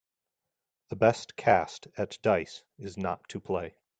The best cast at dice is not to play.